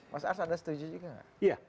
mas ars ada setuju juga gak